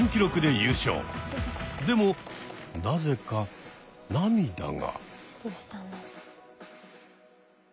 でもなぜか涙が。